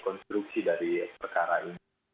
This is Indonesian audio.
ekonstruksi dari perkara ini